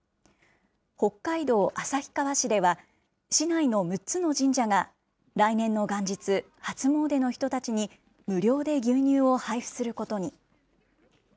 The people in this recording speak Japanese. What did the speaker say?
北海道旭川市では、市内の６つの神社が、来年の元日、初詣の人たちに、無料で牛乳を配布することに。